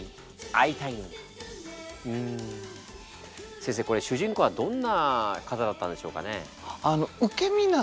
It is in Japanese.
先生これ主人公はどんな方だったんでしょうかね。